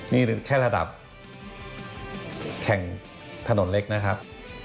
นี่แค่ระดับแข่งถนนเล็กนะครับ